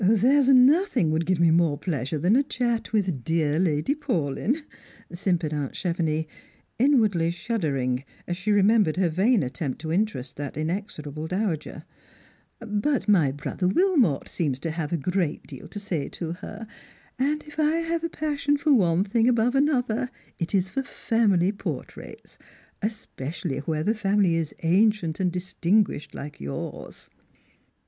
"There is nothing would give me more pleasure than a chat with dear Lady Paulyn," simpered aunt Chevenix, inwardly shuddering as she remembered her vain attempt to interest that inexorable dowager; "but my brother Wilmot seems to have a gveat deal to say to her, and if I have a passion for one thing above another, it is for family portraits, especially where the family is ancient and distinguished like yours."